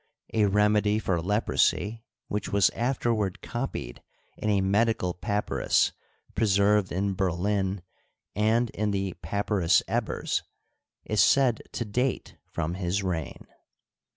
A remedy for leprosy, which was afterward copied in a medical papyrus preserved in Berlin and in the " Papy rus Ebers," is said to date from his reign.